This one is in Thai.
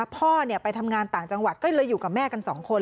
พ่อไปทำงานต่างจังหวัดก็เลยอยู่กับแม่กันสองคน